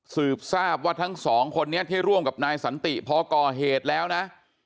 สืบทราบว่าทั้งสองคนนี้ที่ร่วมกับนายสันติพอก่อเหตุแล้วนะ